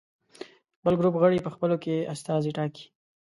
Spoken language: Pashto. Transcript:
بل ګروپ غړي په خپلو کې استازي ټاکي.